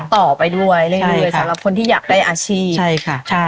ต่อไปด้วยเรื่อยสำหรับคนที่อยากได้อาชีพใช่ค่ะใช่